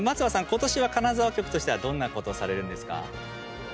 今年は金沢局としてはどんなことをされるんですか。